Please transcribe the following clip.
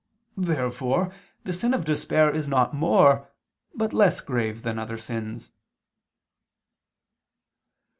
Therefore the sin of despair is not more but less grave than other sins.